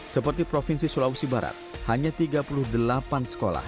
seperti provinsi sulawesi barat hanya tiga puluh delapan sekolah